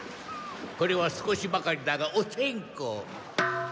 これは少しばかりだがお線香。